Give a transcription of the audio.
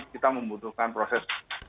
kita membutuhkan proses